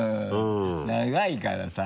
長いからさ。